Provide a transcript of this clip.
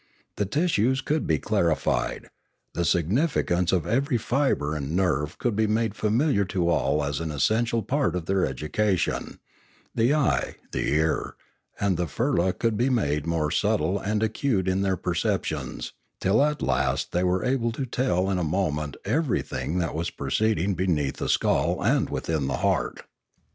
The tissues could be clarified; the significance of every fibre and nerve could be made familiar to all as an essential part of their education; the eye, the ear, and the firla could be made more subtle and acute in their perceptions, till at last they were able to tell in a mo ment everything that was proceeding beneath the skull and within the heart.